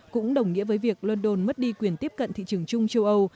cũng đồng nghĩa với việc london mất đi quyền tiếp cận thị trường chung châu âu